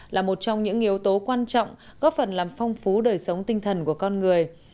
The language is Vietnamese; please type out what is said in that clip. là một trong những yếu tố quan trọng góp phần làm phong phú đời sống tinh thần của con người